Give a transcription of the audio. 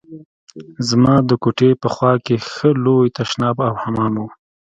زما د کوټې په خوا کښې ښه لوى تشناب او حمام و.